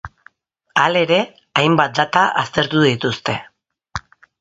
Hala ere, hainbat data aztertu dituzte.